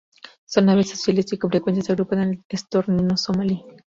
Son aves sociales y con frecuencia se agrupan con el estornino somalí.